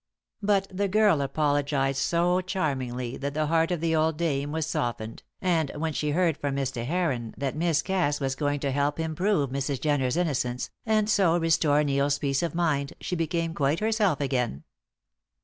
But the girl apologised so charmingly that the heart of the old dame was softened, and when she heard from Mr. Heron that Miss Cass was going to help him prove Mrs. Jenner's innocence and so restore Neil's peace of mind she became quite herself again.